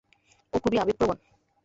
ও খুবই আবেগপ্রবণ।